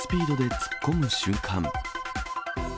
突っ込む瞬間。